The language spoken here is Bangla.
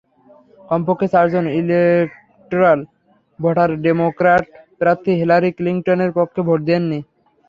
কমপক্ষে চারজন ইলেকটোরাল ভোটার ডেমোক্র্যাট প্রার্থী হিলারি ক্লিনটনের পক্ষে ভোট দেননি।